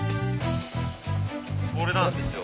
これなんですよ。